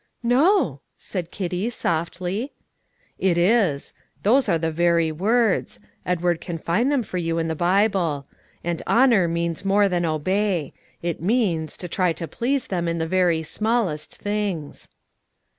"No," said Kitty softly. "It is; those are the very words; Edward can find them for you in the Bible; and honour means more than obey; it means, try to please them in the very smallest things."